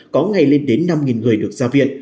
có ngày lên đến năm người được gia viện